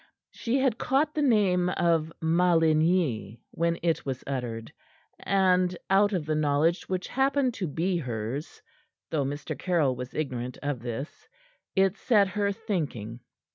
She had caught the name of Maligny when it was uttered, and out of the knowledge which happened to be hers though Mr. Caryll was ignorant of this it set her thinking.